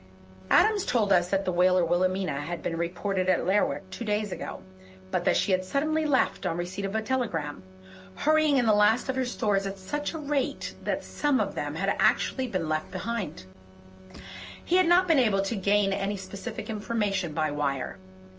Adams told us that the whaler Wilhelmina had been reported at Lerwick two days ago, but that she had suddenly left on receipt of a telegram, hurrying in the last of her stores at such a rate that some of them had been actually left behind. He had not been able to gain any specific information by wire.